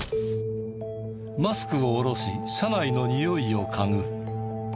マスクを下ろし車内のにおいを嗅ぐ。